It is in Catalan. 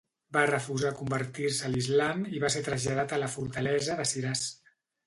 Va refusar convertir-se a l'islam i va ser traslladat a la fortalesa de Shiraz.